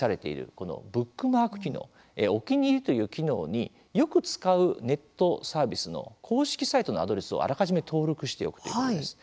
この「ブックマーク」機能「お気に入り」という機能によく使うネットサービスの公式サイトのアドレスをあらかじめ登録しておくということです。